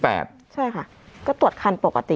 ใช่ค่ะก็ตรวจคันปกติ